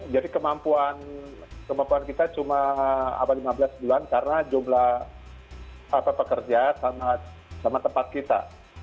jadi kemampuan kita cuma lima belas bulan karena jumlah pekerja sama tempat kita